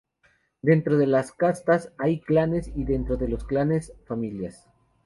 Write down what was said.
Dentro de las castas hay clanes y dentro de los clanes familias.